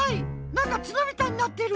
なんかつのみたいになってる！